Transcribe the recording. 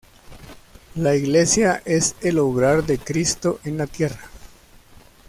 La Iglesia es el obrar de Cristo en la tierra.